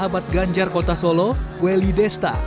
bapak solo kueli desta